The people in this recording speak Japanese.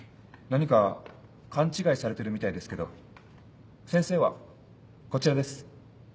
何か勘違いされてるみたいですけど先生はこちらです。